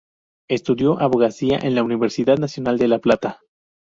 Estudió abogacía en la Universidad Nacional de La Plata.